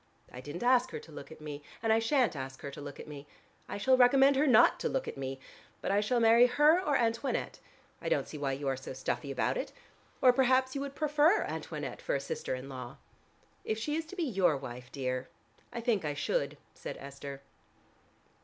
"I didn't ask her to look at me, and I shan't ask her to look at me. I shall recommend her not to look at me. But I shall marry her or Antoinette. I don't see why you are so stuffy about it. Or perhaps you would prefer Antoinette for a sister in law." "If she is to be your wife, dear, I think I should," said Esther.